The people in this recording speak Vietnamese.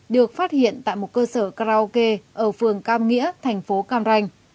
được phát hiện tại một cơ sở karaoke ở phường cam nghĩa thành phố cam ranh